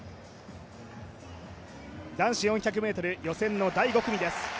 男子４００ｍ予選の第５組です。